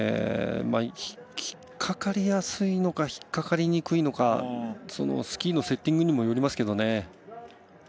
引っかかりやすいのか引っかかりにくいのかスキーのセッティングにもよりますけどね。